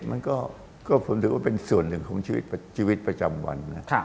มันก็ผมถือว่าเป็นส่วนหนึ่งของชีวิตประจำวันนะ